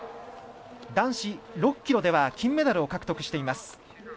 男子６ｋｍでは金メダルを獲得しています。